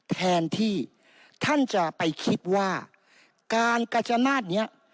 แทนที่ท่านจะไปคิดว่าการกระจายอำนาจนี้